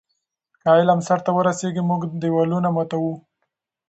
که علم سرته ورسیږي، موږ دیوالونه ماتوو.